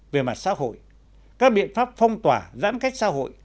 về mặt xã hội các biện pháp phong tỏa giãn cách xã hội